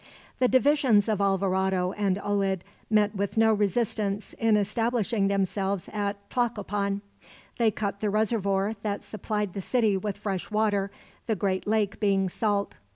The divisions of Alvarado and Olid met with no resistance in establishing themselves at Tlacopan. They cut the reservoir that supplied the city with fresh water, the great lake being salt.